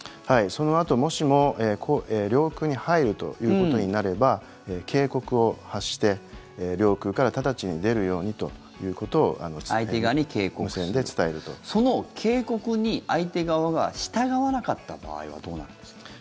そのあともしも領空に入るということになれば警告を発して、領空から直ちに出るようにということをその警告に相手側が従わなかった場合はどうなるんですか？